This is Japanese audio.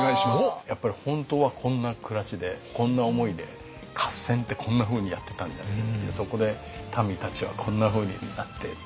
やっぱり本当はこんな暮らしでこんな思いで合戦ってこんなふうにやってたんだねっていうそこで民たちはこんなふうになってっていう。